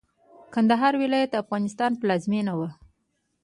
کندهار ولايت د افغانستان پلازمېنه وه.